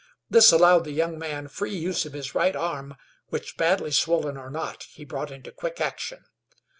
This allowed the young man free use of his right arm, which, badly swollen or not, he brought into quick action.